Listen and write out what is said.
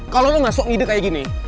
kalau lo masuk ide kayak gini